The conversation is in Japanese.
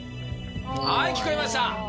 はい聞こえました。